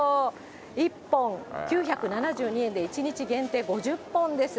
１本９７２円で１日限定５０本です。